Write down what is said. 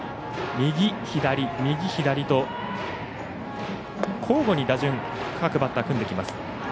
右、左、右、左と交互に打順各バッター組んできます。